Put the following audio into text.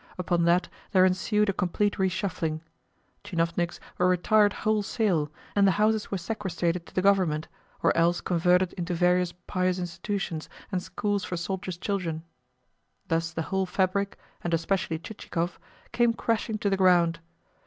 Upon that there ensued a complete reshuffling. Tchinovniks were retired wholesale, and the houses were sequestrated to the Government, or else converted into various pious institutions and schools for soldiers' children. Thus the whole fabric, and especially Chichikov, came crashing to the ground.